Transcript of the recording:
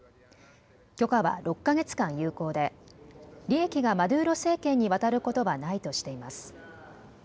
許可は６か月間有効で利益がマドゥーロ政権に渡ることはないとしています。